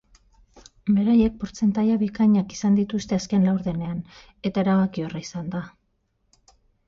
Beraiek portzentaia bikainak izan dituzte azken laurdenean, eta erabakiorra izan da.